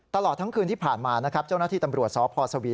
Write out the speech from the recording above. ตลอดทั้งคืนที่ผ่านมานะครับเจ้าหน้าที่ตำรวจสพสวี